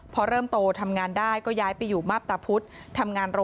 พอเริ่มโตทำงานได้ก็ย้ายไปอยู่มาบตาพุธ